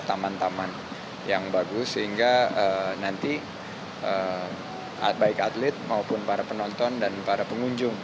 taman taman yang bagus sehingga nanti baik atlet maupun para penonton dan para pengunjung